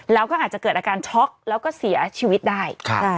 แล้วก็อาจจะเกิดอาการช็อกแล้วก็เสียชีวิตได้